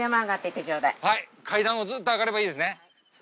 はい階段をずっと上がればいいですね。